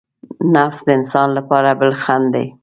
نفس د انسان لپاره بل خڼډ دی.